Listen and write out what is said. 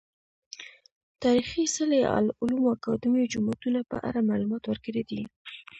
تاريخي څلي، علومو اکادميو، جوماتونه په اړه معلومات ورکړي دي